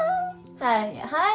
はいはい。